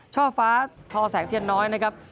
ช่อฟ้าทอแสงเทียนน้อยนะครับ